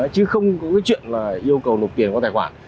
chứ không có chuyện yêu cầu nộp tiền vào tài khoản